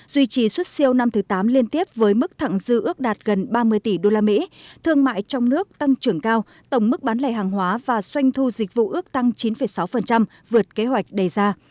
duy trì xuất siêu năm thứ tám liên tiếp với mức thẳng dư ước đạt gần ba mươi tỷ usd thương mại trong nước tăng trưởng cao tổng mức bán lẻ hàng hóa và doanh thu dịch vụ ước tăng chín sáu vượt kế hoạch đề ra